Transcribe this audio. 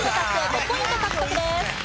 ５ポイント獲得です。